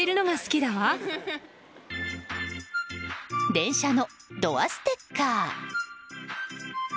電車のドアステッカー。